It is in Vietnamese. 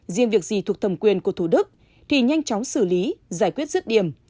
riêng việc gì thuộc thẩm quyền của thủ đức thì nhanh chóng xử lý giải quyết rứt điểm